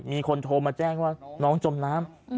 มีคนโทรมาแจ้งว่าน้องจมน้ำ